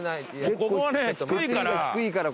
ここがね低いから。